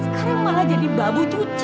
sekarang malah jadi babu cuci